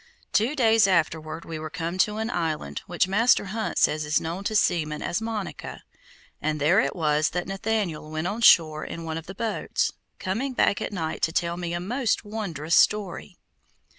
Two days afterward we were come to an island which Master Hunt says is known to seamen as Monica, and there it was that Nathaniel went on shore in one of the boats, coming back at night to tell me a most wondrous story.